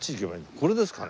これですかね？